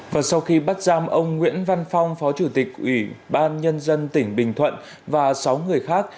và sau khi bắt giam ông nguyễn văn phong phó chủ tịch ủy ban nhân dân tỉnh bình thuận và sáu người khác